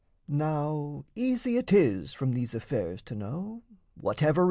Now easy it is from these affairs to know Whatever...